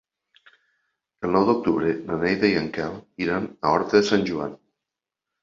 El nou d'octubre na Neida i en Quel iran a Horta de Sant Joan.